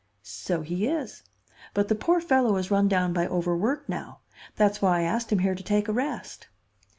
"So he is. But the poor fellow is run down by overwork now. That's why I asked him here to take a rest."